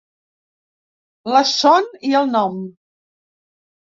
La son i el nom.